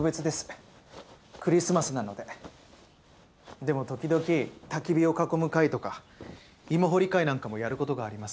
でも時々たき火を囲む会とか芋掘り会なんかもやる事があります。